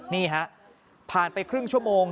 นี่ฮะผ่านไปครึ่งชั่วโมง